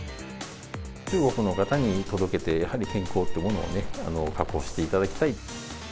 中国の方に届けて、やはり健康というものを確保していただきたい。